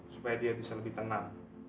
supaya dia bisa lebih tenang